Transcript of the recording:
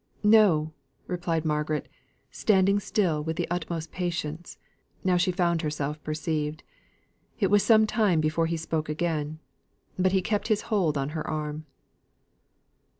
"No!" replied Margaret, standing still with the utmost patience, now she found herself perceived. It was some time before he spoke again, but he kept his hold on her arm.